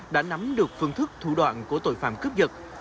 đã nắm được phương thức thủ đoạn của tội phạm cướp giật